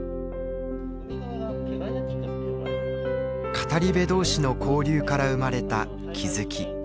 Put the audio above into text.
語り部同士の交流から生まれた気づき。